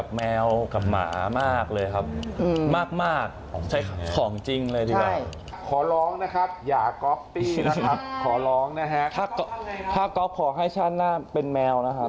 ขอบคุณมากค่ะขอบคุณมากจริงขอบคุณครับขอบคุณมากครับขอบคุณมากเลยครับ